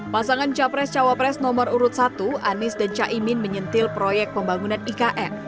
pasangan capres cawapres nomor urut satu anies dan caimin menyentil proyek pembangunan ikn